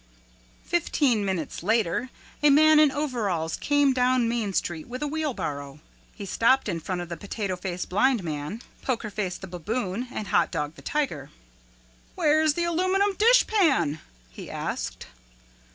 Fifteen minutes later a man in overalls came down Main Street with a wheelbarrow. He stopped in front of the Potato Face Blind Man, Poker Face the Baboon, and Hot Dog the Tiger. "Where is the aluminum dishpan?" he asked.